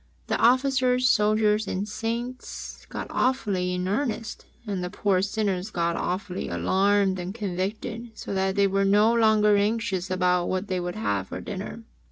The Officers, Soldiers and saints got awfully in earnest, and the poor sinners got awfully alarmed and convicted so that they were no longer anxious about what they should have for dinner.